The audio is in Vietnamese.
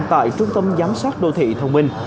tại trung tâm giám sát đô thị thông minh